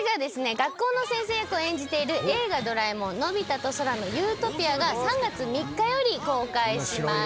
学校の先生役を演じている『映画ドラえもんのび太と空の理想郷』が３月３日より公開します。